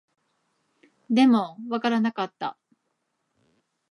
でも、わからなかった